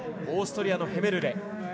オーストリアのヘメルレ。